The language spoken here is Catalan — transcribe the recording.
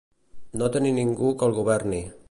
No tenir ningú que el governi.